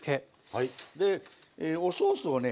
でおソースをね